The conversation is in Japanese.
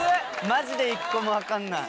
マジで１個も分かんない。